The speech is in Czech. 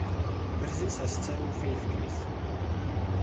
Brzy se s dcerou Faith Kris.